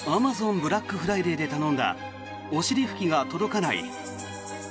ブラックフライデーで頼んだお尻拭きが届かない。